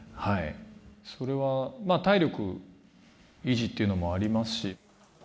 それは体力維持っていうのもありますし。